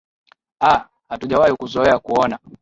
aa hatujawahi kuzoea kuona